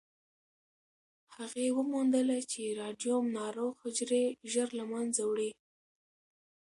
هغې وموندله چې راډیوم ناروغ حجرې ژر له منځه وړي.